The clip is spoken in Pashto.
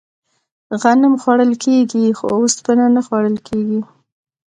غنم خوړل کیږي خو اوسپنه نه خوړل کیږي.